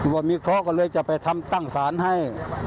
ว่ามีเคราะห์ก็เลยจะไปทำตั้งศาลให้